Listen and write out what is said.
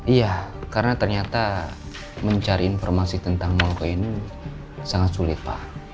iya karena ternyata mencari informasi tentang moko ini sangat sulit pak